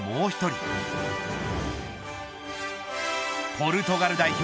ポルトガル代表